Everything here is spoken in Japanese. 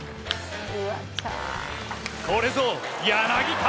これぞ、柳田！